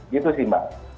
gitu sih mbak